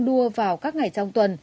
đua vào các ngày trong tuần